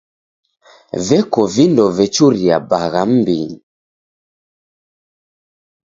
Veko vindo vechuria bagha m'mbinyi.